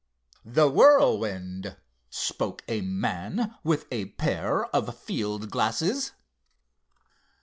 "The Whirlwind," spoke a man with a pair of field glasses.